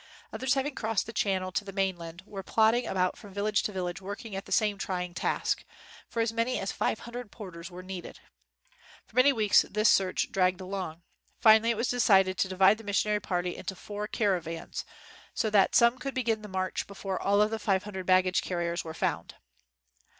Others having crossed the channel to the mainland were plodding about from village to village working at the same trying task; for as many as five hundred porters were needed. For many weeks this search dragged along. Finally, it was decided to 35 WHITE MAN OF WORK divide the missionary party into four cara vans, so that some could begin the march be fore all of the five hundred baggage carriers were found.